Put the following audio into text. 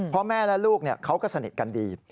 พ่อแม่และลูกเขาก็สนิทกันดี